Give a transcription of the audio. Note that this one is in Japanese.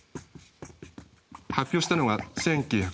発表したのが１９１５年。